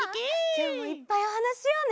きょうもいっぱいおはなししようね。